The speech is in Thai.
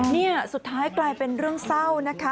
นี่สุดท้ายกลายเป็นเรื่องเศร้านะคะ